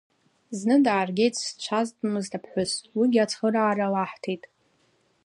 Зны дааргеит зцәазтәымызт аԥҳәыс, уигьы ацхыраара лаҳҭеит.